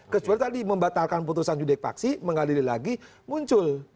kecuali tadi membatalkan putusan judek paksi mengadili lagi muncul